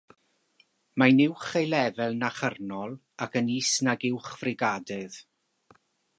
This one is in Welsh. Mae'n uwch ei lefel na chyrnol ac yn is nag uwch-frigadydd.